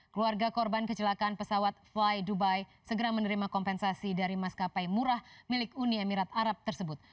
keluarga korban kecelakaan pesawat fly dubai segera menerima kompensasi dari maskapai murah milik uni emirat arab tersebut